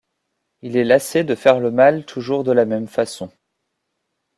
Il est lassé de faire le mal toujours de la même façon.